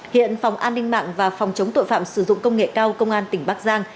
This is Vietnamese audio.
hiện phòng an ninh mạng và phòng chống tội phạm sử dụng công nghệ cao công an tỉnh bắc giang